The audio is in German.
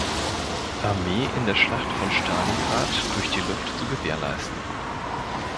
Armee in der Schlacht von Stalingrad durch die Luft zu gewährleisten.